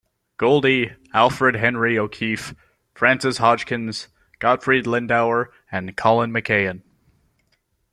Goldie, Alfred Henry O'Keeffe, Frances Hodgkins, Gottfried Lindauer and Colin McCahon.